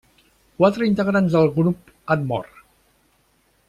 Quatre integrants del grup han mort.